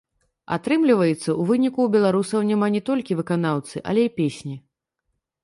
Атрымліваецца, у выніку ў беларусаў няма не толькі выканаўцы, але і песні.